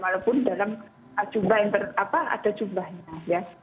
walaupun dalam jumlah yang terdapat ada jumlahnya ya